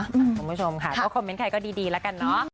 ขอบคุณผู้ชมค่ะเพราะว่าคอมเมนต์ใครก็ดีแล้วกันเนอะ